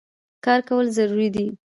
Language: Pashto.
کار کول ضروري دی.